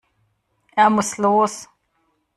Er muss los.